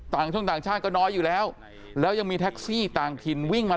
ช่วงต่างชาติก็น้อยอยู่แล้วแล้วยังมีแท็กซี่ต่างถิ่นวิ่งมา